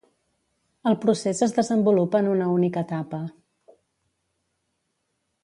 El procés es desenvolupa en una única etapa.